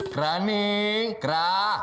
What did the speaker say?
kera nih kera